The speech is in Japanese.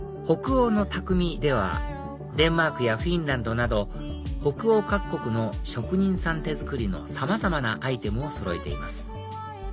北欧の匠ではデンマークやフィンランドなど北欧各国の職人さん手作りのさまざまなアイテムをそろえています